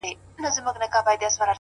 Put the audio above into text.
ځه خير دی تر سهاره به ه گوزاره وي;